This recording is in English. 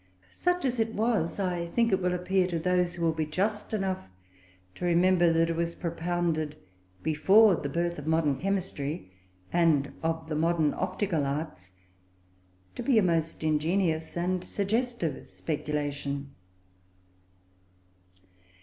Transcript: Such as it was, I think it will appear, to those who will be just enough to remember that it was propounded before the birth of modern chemistry, and of the modern optical arts, to be a most ingenious and suggestive speculation.